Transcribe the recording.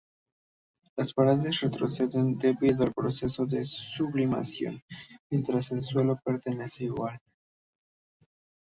Las paredes retroceden debido al proceso de sublimación, mientras que el suelo permanece igual.